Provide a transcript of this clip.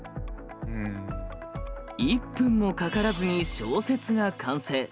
１分もかからずに小説が完成。